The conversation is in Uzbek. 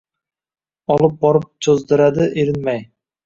olib borib choʼzdiradi erinmay